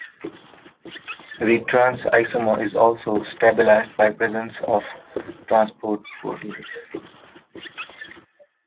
The "trans" isomer is also stabilized by the presence of transport proteins.